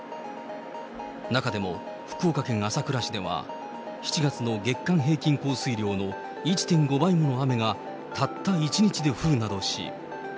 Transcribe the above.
中でも福岡県朝倉市では、７月の月間平均降水量の１．５倍もの雨がたった１日で降るなどし。